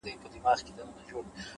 اخلاص د اړیکو ریښتینی بنسټ دی,